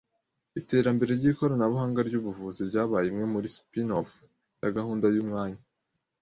Iterambere ryikoranabuhanga ryubuvuzi ryabaye imwe muri spin-offs ya gahunda yumwanya